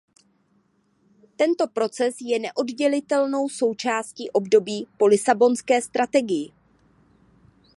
Tento proces je neoddělitelnou součástí období po Lisabonské strategii.